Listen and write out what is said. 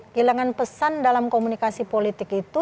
kehilangan pesan dalam komunikasi politik itu